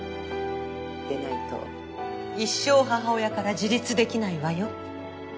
でないと一生母親から自立できないわよ。